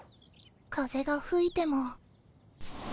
風がふいても。